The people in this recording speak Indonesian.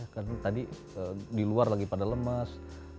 karena tadi di luar lagi pada lemas